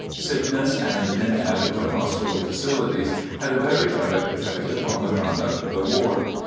Sickness and inadequate hospital facilities had a very direct effect upon the conduct of the war.